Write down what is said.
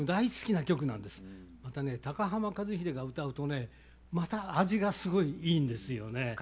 またね高浜和英が歌うとねまた味がすごいいいんですよね。